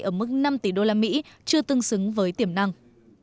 ở mức năm tỷ đô la mỹ chưa tương xứng với tiềm năng